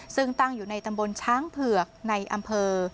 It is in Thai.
ซึ่งตั้งอยู่ในตำบลช้างเผือกในอำเภอ